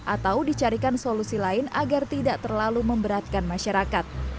atau dicarikan solusi lain agar tidak terlalu memberatkan masyarakat